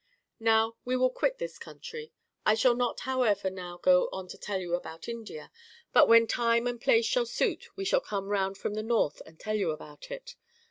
] Now, we will quit this country. I shall not, how ever, now go on to tell you about India; but when time and place shall suit we shall come round from the north and tell you about it.